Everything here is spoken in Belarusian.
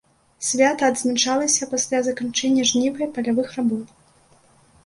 Свята адзначалася пасля заканчэння жніва і палявых работ.